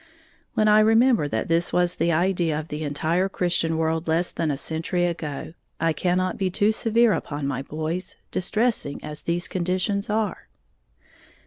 When I remember that this was the idea of the entire Christian world less than a century ago, I cannot be too severe upon my boys, distressing as these conditions are.